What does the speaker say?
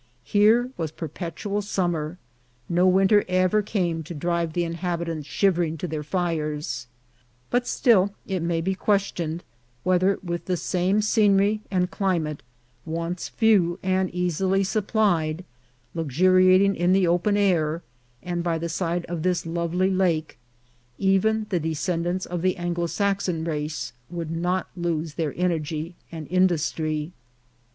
Here was perpetual summer ; no winter ever came to drive the inhabitants shivering to their fires ; but still it may be questioned whether, with the same scenery and cli mate, wants few and easily supplied, luxuriating in the open air, and by the side of this lovely lake, even the descendants of the Anglo Saxon race would not lose their energy and industry.